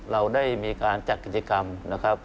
เราได้มีการจัดกิจกรรมนะครับ